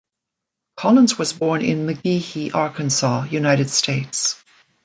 Collins was born in McGehee, Arkansas, United States.